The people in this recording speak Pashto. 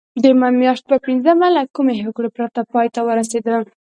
د مې میاشتې پر پینځمه له کومې هوکړې پرته پای ته ورسېده.